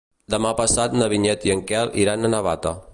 Demà passat na Vinyet i en Quel iran a Navata.